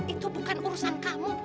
itu bukan urusan kamu